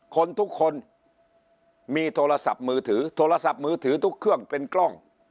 คนทุกคนมีโทรศัพท์มือถือโทรศัพท์มือถือทุกเครื่องเป็นกล้อง